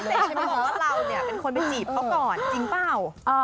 เพราะว่าเราเป็นคนไปจีบเขาก่อนจริงเปล่า